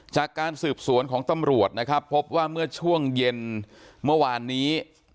จากการสืบสวนของตำรวจนะครับพบว่าเมื่อช่วงเย็นเมื่อวานนี้